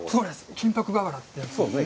「金箔瓦」ってやつですね。